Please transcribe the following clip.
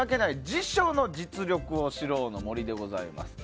辞書の実力を知ろうの森です。